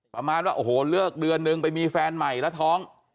ประมาณว่าโอ้โหเลิกเดือนนึงไปมีแฟนใหม่แล้วท้อง